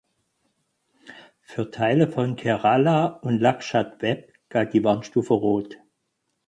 Für Teile von Kerala und Lakshadweep galt die Warnstufe Rot.